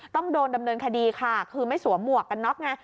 ต้องโดนดำเนินคดีค่ะคือไม่สวมหมวกกันน็อกไง